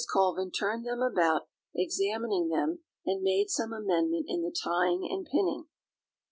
Colvin turned them about, examining them, and made some amendment in the tying and pinning.